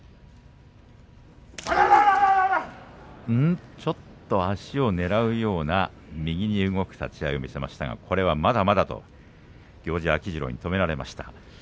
照強、ちょっと足をねらうような右に動く立ち合いを見せましたがまだまだと止められました。